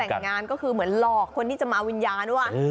แต่งงานก็คือเหมือนหลอกคนที่จะมาวิญญาณด้วย